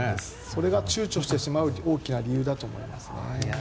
それが躊躇してしまう大きな理由だと思いますね。